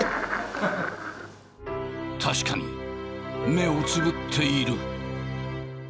確かに目をつぶっている。